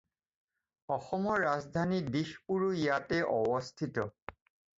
অসমৰ ৰাজধানী দিশপুৰো ইয়াতে অৱস্থিত।